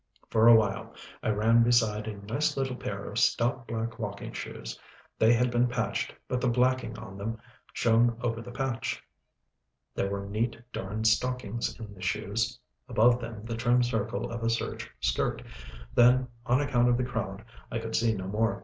For a while, I ran beside a nice little pair of stout, black, walking shoes. They had been patched, but the blacking on them shone over the patch. There were neat, darned stockings in the shoes, above them the trim circle of a serge skirt, then, on account of the crowd, I could see no more.